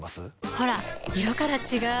ほら色から違う！